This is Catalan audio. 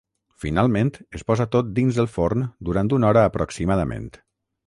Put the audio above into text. Finalment es posa tot dins el forn durant una hora aproximadament.